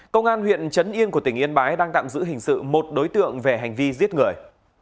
công an huyện trấn yên của tỉnh yên bái đang tạm giữ hình sự một đối tượng về hành vi giết người